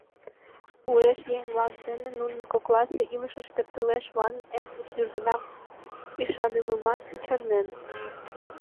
Уэш еҥ-влак деке, нунын кокласе илышыш пӧртылеш манын, Эдвард южгунам ӱшанымымат чарнен.